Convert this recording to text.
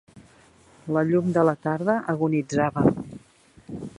La llum de la tarda agonitzava.